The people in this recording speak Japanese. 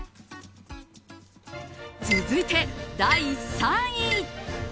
続いて、第３位。